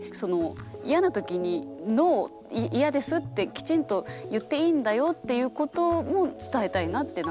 嫌なときにノー嫌ですってきちんと言っていいんだよっていうことも伝えたいなって